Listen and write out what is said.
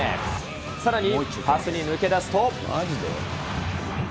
さらにパスに抜け出すと。